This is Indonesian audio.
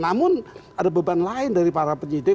namun ada beban lain dari para penyidik